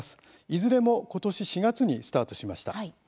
いずれも今年４月にスタートしました。